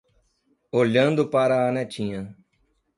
Olhando para a netinha